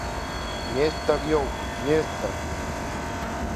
Нестор иоуп, Нестор!